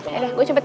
yaudah gue cupet